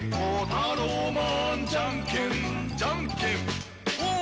「タローマンじゃんけん」「じゃんけんポン！」